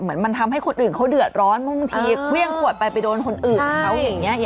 เหมือนมันทำให้คนอื่นเขาเดือดร้อนบางทีเครื่องขวดไปไปโดนคนอื่นเขาอย่างนี้